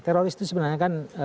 teroris itu sebenarnya kan